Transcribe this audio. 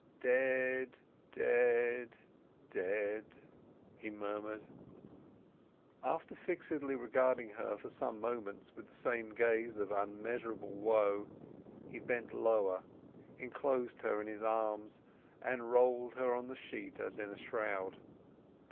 "Dead, dead, dead!" he murmured. After fixedly regarding her for some moments with the same gaze of unmeasurable woe, he bent lower, enclosed her in his arms, and rolled her in the sheet as in a shroud.